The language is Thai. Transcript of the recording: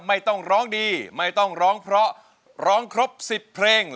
ไม่ต้องร้องดีไม่ต้องร้องเพราะร้องครบ๑๐เพลง